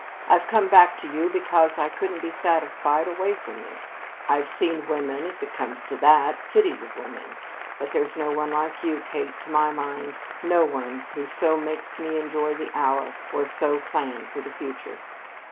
I've come back to you because I couldn't be satisfied away from you. I've seen women, if it comes to that, cities of women. But there's no one like you, Kate, to my mind; no one who so makes me enjoy the hour, or so plan for the future.